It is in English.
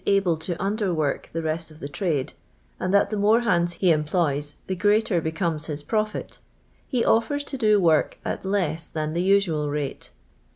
able to under wo:k the r t of the trad»\ and that the more hand«» h emidoyii the jm at r beeomes his pr fit, !i o:V<Ms to lio work at lens than th usual rate.